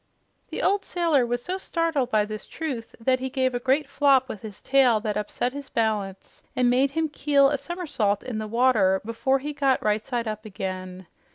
The old sailor was so startled by this truth that he gave a great flop with his tail that upset his balance and made him keel a somersault in the water before he got right side up again.